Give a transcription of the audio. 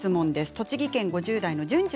栃木県５０代の方。